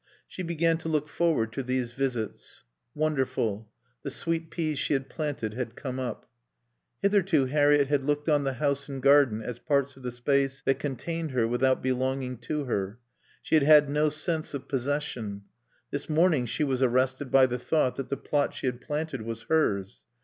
She began to look forward to these visits. Wonderful. The sweet peas she had planted had come up. Hitherto Harriett had looked on the house and garden as parts of the space that contained her without belonging to her. She had had no sense of possession. This morning she was arrested by the thought that the plot she had planted was hers.